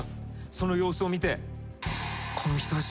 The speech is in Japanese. その様子を見て。